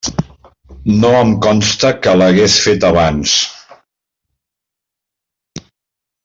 No em consta que l'hagués feta abans.